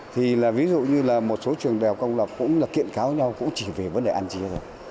thì ví dụ như là một số trường đèo công lập cũng kiện cáo nhau cũng chỉ về vấn đề ăn chia thôi